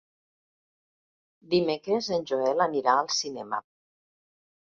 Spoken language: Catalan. Dimecres en Joel anirà al cinema.